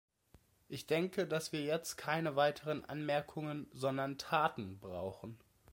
Ich denke, dass wir jetzt keine weiteren Anmerkungen, sondern Taten brauchen.